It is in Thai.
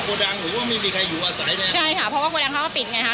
ดังหรือว่าไม่มีใครอยู่อาศัยแน่ใช่ค่ะเพราะว่าโกดังเขาก็ปิดไงฮะ